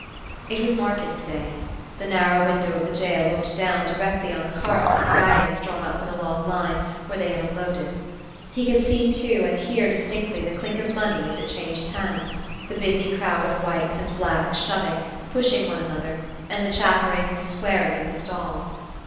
It was market day. The narrow window of the jail looked down directly on the carts and wagons drawn up in a long line, where they had unloaded. He could see, too, and hear distinctly the clink of money as it changed hands, the busy crowd of whites and blacks shoving, pushing one another, and the chaffering and swearing at the stalls.